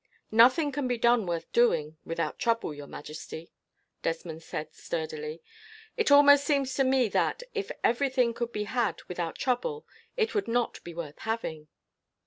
"Nothing can be done worth doing, without trouble, Your Majesty," Desmond said sturdily. "It almost seems to me that, if everything could be had without trouble, it would not be worth having."